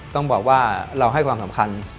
ต้องบอกว่าเราให้ความสำคัญ